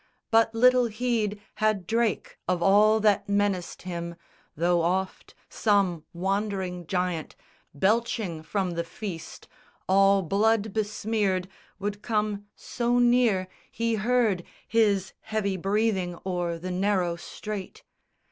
But little heed Had Drake of all that menaced him, though oft Some wandering giant, belching from the feast, All blood besmeared, would come so near he heard His heavy breathing o'er the narrow strait.